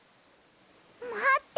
まって！